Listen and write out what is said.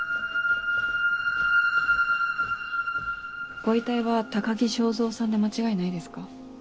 ご遺体は高木昭三さんで間違いないですか？